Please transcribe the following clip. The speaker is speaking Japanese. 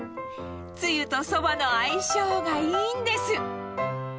つゆとそばの愛称がいいんです。